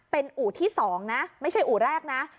เป็นอู่ที่๒นะไม่ใช่อู่แรกนะ